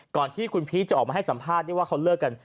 ก่อนที่คุณพีชจะออกมาให้สัมภาษณ์ได้ว่าเขาเลิกกัน